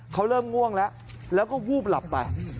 เขาเริ่มง่วงแล้วแล้วก็วูบหลับไป